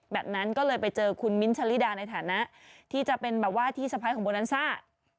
แบบนั้นก็เลยไปเจอคุณมิ้นท์ชะลิดาในฐานะที่จะเป็นแบบว่าพี่สะพ้ายของโบนันซ่า